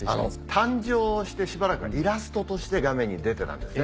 誕生してしばらくイラストとして画面に出てたんですね。